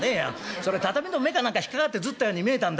それ畳の目か何か引っ掛かってずったように見えたんだ。